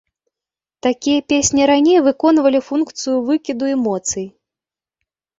Такія песні раней выконвалі функцыю выкіду эмоцый.